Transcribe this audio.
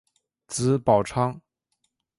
子宝昌。